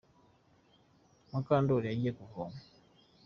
mukandori yagiye kuvoma